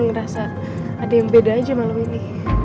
gue ngerasa ada yang beda aja malem ini